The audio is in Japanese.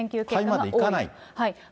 肺までいかない。